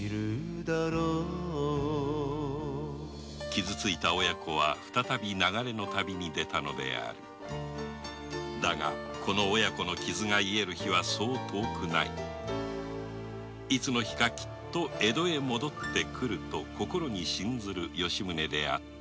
傷ついた親子は再び流れの旅に出たのであるだが「この親子の傷がいえる日はそう遠くないいつの日か江戸に戻って来る」と心に信ずる吉宗であった